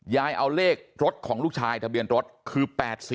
ยายเอาเลขรถของลูกชายทะเบียนรถคือ๘๔